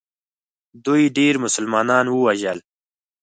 دوی ډېر مسلمانان ووژل.